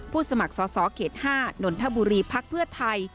ผู้สมัครสข๕นนทบุรีภักดิ์เพื่อไทย